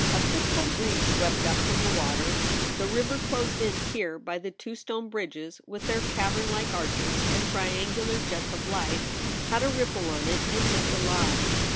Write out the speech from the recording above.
A fitful breeze swept up from the water. The river, closed in here by the two stone bridges with their cavern like arches and triangular jets of light, had a ripple on it and looked alive.